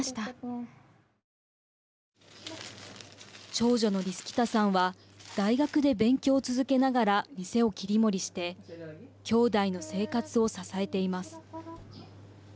長女のリスキタさんは大学で勉強を続けながら店を切り盛りしてきょうだいの生活を支えています。